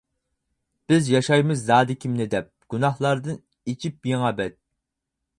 بىز ياشايمىز زادى كىمنى دەپ، گۇناھلاردىن ئېچىپ يېڭى بەت.